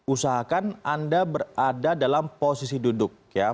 usahakan anda berada dalam posisi duduk ya